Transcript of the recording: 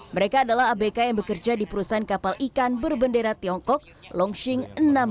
mereka adalah abk yang bekerja di perusahaan kapal ikan berbendera tiongkok longsing enam ratus dua puluh sembilan